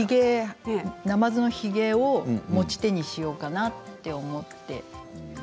なまずのひげを持ち手にしようかなと思って。